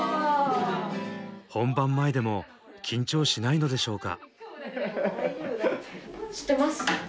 本番前でも緊張しないのでしょうか？